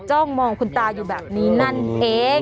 จ้องมองคุณตาอยู่แบบนี้นั่นเอง